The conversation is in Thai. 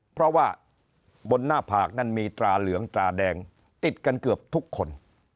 เพราะว่าบนหน้าผากนั้นมีตราเหลืองตราแดงติดกันเกือบทุกคน